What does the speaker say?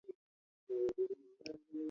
ځکه دوی دولس ډالره پاتې پیسې نه وې ورکړې